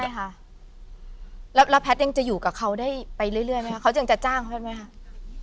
ใช่ค่ะแล้วแพทย์ยังจะอยู่กับเขาได้ไปเรื่อยไหมคะเขายังจะจ้างเขาไหมคะ